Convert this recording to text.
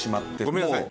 ごめんなさい